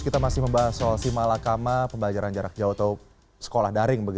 kita masih membahas soal si malakama pembelajaran jarak jauh atau sekolah daring